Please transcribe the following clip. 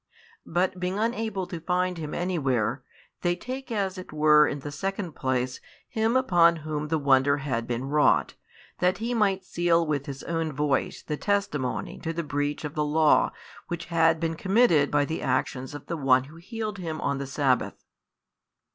but being unable to find Him anywhere, they take as it were in the second place him upon whom the wonder had been wrought, that he might seal |25 with his own voice the testimony to the breach of the law which had been committed by the actions of the One Who healed him on the sabbath.